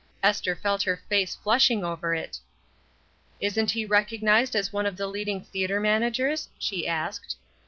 Esther felt her face flushing over it. "Isn't he recognized as one of the leading theatre managers?" she asked.